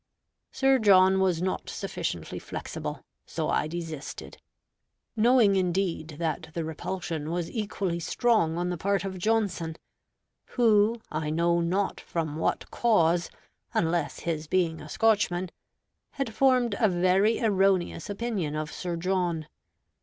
Sir John was not sufficiently flexible, so I desisted: knowing indeed that the repulsion was equally strong on the part of Johnson; who, I know not from what cause unless his being a Scotchman, had formed a very erroneous opinion of Sir John.